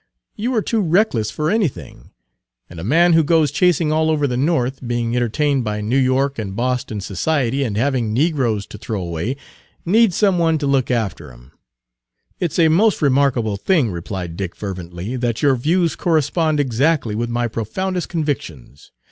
You are too reckless for anything; and a man who goes chasing all over the North, being entertained by New York and Boston society and having negroes to throw away, needs some one to look after him." "It's a most remarkable thing," replied Dick fervently, "that your views correspond exactly with my profoundest convictions.